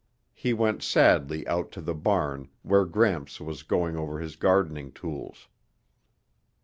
He went sadly out to the barn where Gramps was going over his gardening tools.